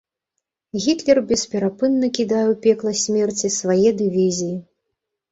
Гітлер бесперапынна кідае ў пекла смерці свае дывізіі.